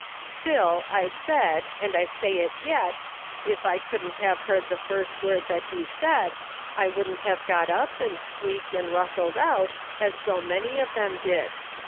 " Still, I said, and I say it yet, if I couldn't have heard the first word that he said, I wouldn't have got up and squeaked and rustled out as so many of them did.